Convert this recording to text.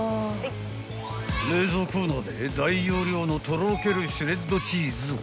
［冷蔵コーナーで大容量のとろけるシュレッドチーズを］